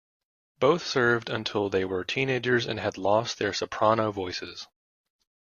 Both served until they were teenagers and had lost their soprano voices.